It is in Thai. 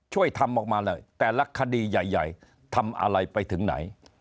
ช่วยทำออกมาเลยแต่ละคดีใหญ่ทำอะไรไปถึงไหน